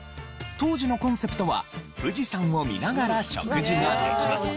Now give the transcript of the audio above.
当時のコンセプトは「富士山を見ながら食事ができます」。